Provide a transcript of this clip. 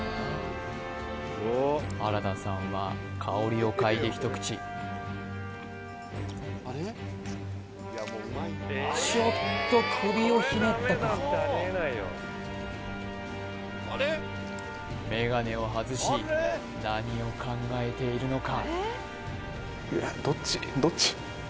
原田さんは香りを嗅いで一口ちょっと首をひねったかメガネを外し何を考えているのか？